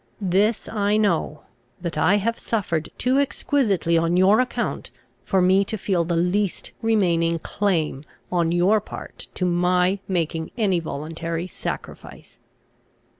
This I know, that I have suffered too exquisitely on your account, for me to feel the least remaining claim on your part to my making any voluntary sacrifice.